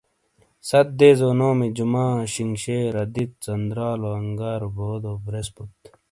ست دیزو نومی جمعہ , شینگشیر، آدیت، ژندرالو ، انگارو ، بودو ، بریسپوت ۔